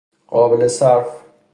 قابل صرف